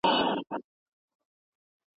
ایا ستا تیزس قبول شو؟